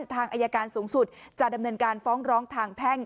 ทางอายการสูงสุดจะดำเนินการฟ้องร้องทางแพ่ง